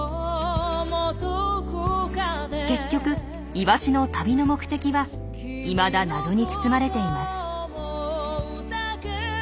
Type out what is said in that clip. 結局イワシの旅の目的はいまだ謎に包まれています。